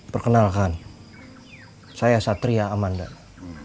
perkenalkan saya satria amandat